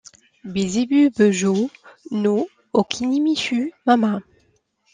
Beelzebub-jō no okinimesu mama.